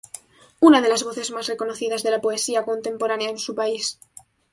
Una de las voces más reconocidas de la poesía contemporánea en su país.